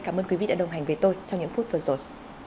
cảm ơn quý vị đã đồng hành với tôi trong những phút vừa rồi